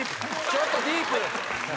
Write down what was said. ちょっとディープ。